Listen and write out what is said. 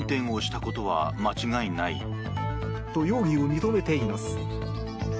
と、容疑を認めています。